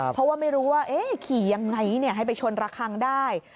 เพราะว่าไม่รู้ว่าขี่ยังไงให้ไปชนระคังได้